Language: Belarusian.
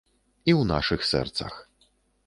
І ў нашых сэрцах.